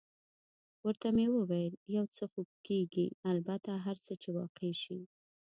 ورته مې وویل: یو څه خو کېږي، البته هر څه چې واقع شي.